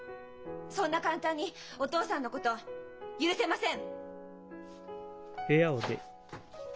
そんな簡単にお父さんのこと許せません！